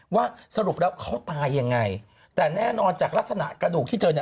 ว่าสรุปแล้วเขาตายยังไงแต่แน่นอนจากลักษณะกระดูกที่เจอเนี่ย